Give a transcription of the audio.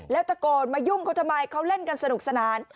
แล้วตะโกนมายุ่งเขาทำไมเขาเล่นกันสนุกสนาน